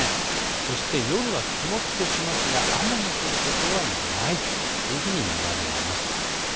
そして夜は曇ってきますが雨の降ることはないというふうに見られています。